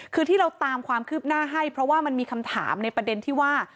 คือที่เราตามความคืบหน้าให้เพราะว่ามันมีคำถามในประเด็นที่ว่า